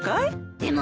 でも